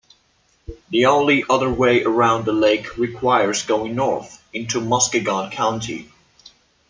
The only other way around the lake requires going north into Muskegon County.